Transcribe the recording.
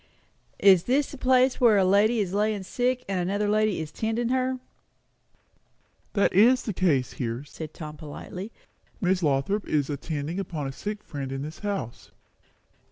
"Is this the place where a lady is lying sick and another lady is tendin' her?" "That is the case here," said Tom politely. "Miss Lothrop is attending upon a sick friend in this house."